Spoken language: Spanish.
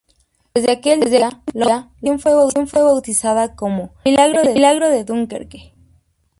Desde aquel día, la operación fue bautizada como "El Milagro de Dunkerque".